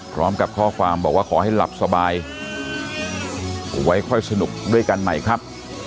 พร้อมกับข้อความบอกว่าขอให้หลับสบายไว้ค่อยสนุกด้วยกันใหม่ครับ